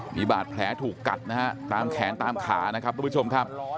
มีบาดแผลถูกกัดนะฮะตามแขนตามขานะครับทุกผู้ชมครับ